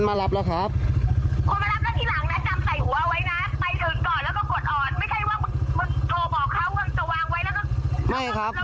ไม่ใช่ว่ามึงโทรบอกเขาว่าจะวางไว้แล้วก็กดอ่อนแล้วก็นั่น